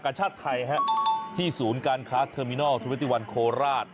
ชาติไทยฮะที่ศูนย์การค้าเทอร์มินอลเทอร์เวติวันโคราช